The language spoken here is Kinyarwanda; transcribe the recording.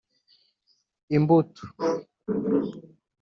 imbuto